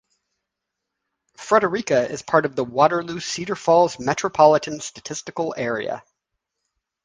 Frederika is part of the Waterloo-Cedar Falls Metropolitan Statistical Area.